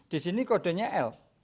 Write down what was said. di sini kodenya l